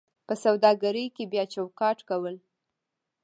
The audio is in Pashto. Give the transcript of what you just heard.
په سوداګرۍ کې بیا چوکاټ کول: